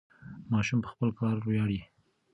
ماشوم په خپل کار ویاړي.